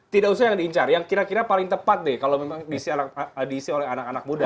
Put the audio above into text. tidak usah yang diincar yang kira kira paling tepat deh kalau memang diisi oleh anak anak muda